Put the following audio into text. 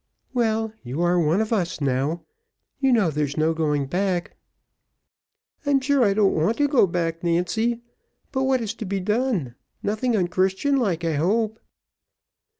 "Well, you are one of us now, you know there's no going back." "I'm sure I don't want to go back, Nancy; but what is to be done? nothing unchristianlike I hope."